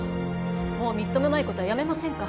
もうみっともないことはやめませんか？